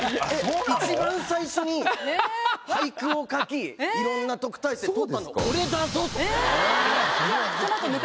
１番最初に俳句を書きいろんな特待生取ったのええ！